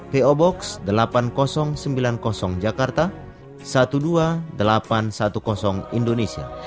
po box delapan ribu sembilan puluh jakarta dua belas ribu delapan ratus sepuluh indonesia